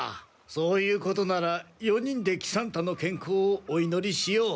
そういうことなら４人で喜三太の健康をお祈りしよう。